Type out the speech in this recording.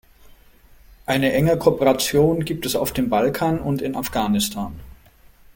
Eine enge Kooperation gibt es auf dem Balkan und in Afghanistan.